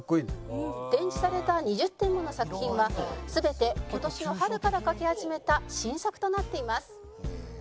展示された２０点もの作品は全て今年の春から描き始めた新作となっています